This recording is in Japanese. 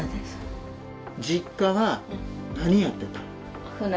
実家は何やってた？